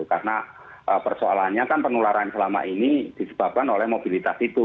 karena persoalannya kan pengularan selama ini disebabkan oleh mobilitas itu